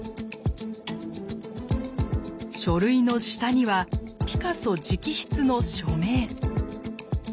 書類の下にはピカソ直筆の署名。